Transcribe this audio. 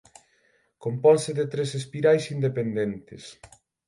Componse de tres espirais independentes.